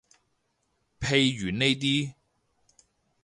譬如呢啲